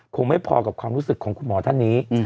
คงไม่พอกับความรู้สึกของคุณหมอท่านนี้